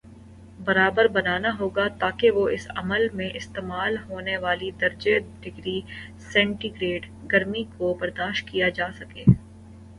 برابر بنانا ہوگا تاکہ وہ اس عمل میں استعمال ہونے والی درجے ڈگری سینٹی گریڈگرمی کو برداشت کیا جا سکے